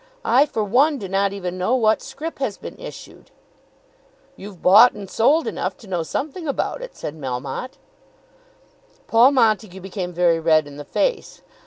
I for one do not even know what scrip has been issued." "You've bought and sold enough to know something about it," said Melmotte. Paul Montague became very red in the face.